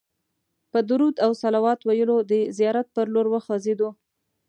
په درود او صلوات ویلو د زیارت پر لور وخوځېدو.